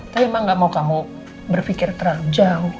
tapi mama nggak mau kamu berpikir terlalu jauh